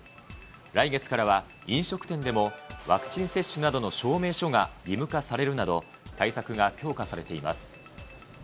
来月からは飲食店でもワクチン接種などの証明書が義務化されるなど、対策が強化されています。